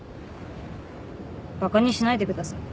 バカにしないでください。